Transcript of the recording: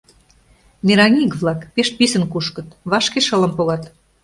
Мераҥ иге-влак пеш писын кушкыт, вашке шылым погат.